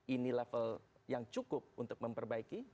ini level yang cukup untuk memperbaiki